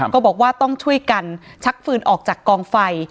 ก็บอกว่าต้องช่วยกันชักปืนออกจากกองไฟ